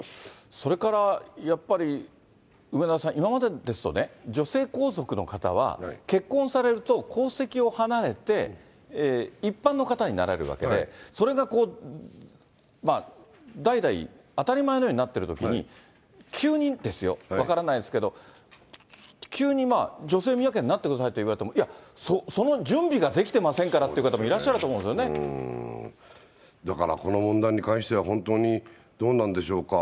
それからやっぱり梅沢さん、今までですとね、女性皇族の方は、結婚をされると皇籍を離れて、一般の方になられるわけで、それが代々、当たり前のようになっているときに、急にですよ、分からないですけど、急に女性宮家になってくださいって言われても、いや、その準備ができてませんからっていう方も、いらっしゃると思うんだからこの問題に関しては、本当にどうなんでしょうか。